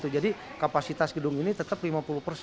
jadi kapasitas gedung ini tetap lima puluh